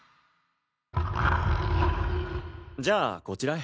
じゃあこちらへ。